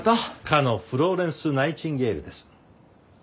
かのフローレンス・ナイチンゲールです。